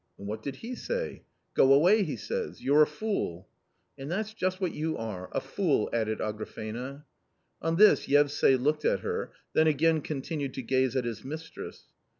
"" And what did he say ?"" Go away," he says ;" you're a fool !"" And that's just what you are — a fool !" added Agra fena. On this Yevsay looked at her, then again continued to gaze at his mistress.